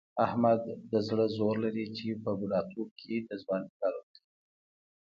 احمد د زړه زور لري، چې په بوډا توب کې د ځوانۍ کارونه کوي.